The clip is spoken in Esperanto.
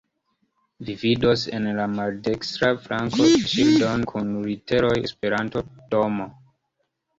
Vi vidos en la maldekstra flanko ŝildon kun literoj "Esperanto-Domo".